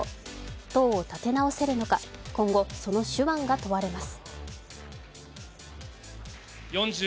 党を立て直せるのか、今後その手腕が問われます。